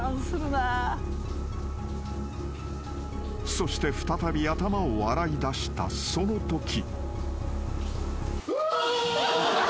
［そして再び頭を洗いだしたそのとき］